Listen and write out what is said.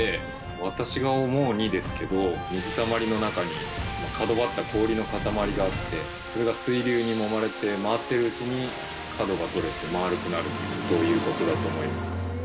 私が思うにですけど水たまりの中に角張った氷の塊があってそれが水流にもまれて回ってるうちに角が取れて丸くなるということだと思います。